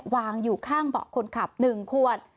วางอยู่ข้างเบาะคนขับ๑ขวด